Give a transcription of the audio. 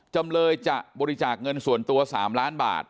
จำเลยจะบริจาคเงินส่วนตัว๓ล้านบาท